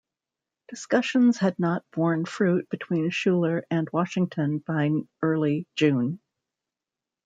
Discussions had not borne fruit between Schuyler and Washington by early June.